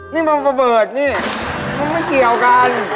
นี่มันระเบิดนี่มันไม่เกี่ยวกัน